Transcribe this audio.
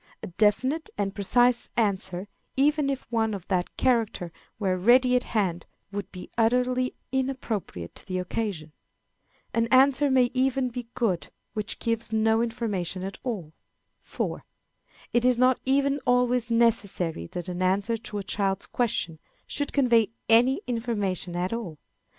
A definite and precise answer, even if one of that character were ready at hand, would be utterly inappropriate to the occasion. An Answer may even be good which gives no Information at all. 4. It is not even always necessary that an answer to a child's question should convey any information at all.